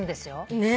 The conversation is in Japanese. ねえ。